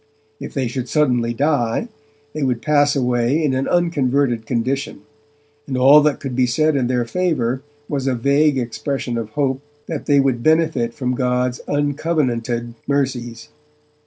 If they should suddenly die, they would pass away in an unconverted condition, and all that could be said in their favour was a vague expression of hope that they would benefit from God's uncovenanted mercies.